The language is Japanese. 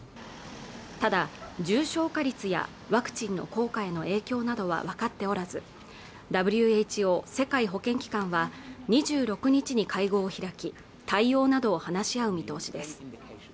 ただ重症化率やワクチンの効果への影響などは分かっておらずＷＨＯ＝世界保健機関は２６日に会合を開き対応などを話し合う見通しです